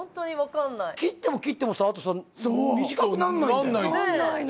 切っても切っても短くならないんですよ。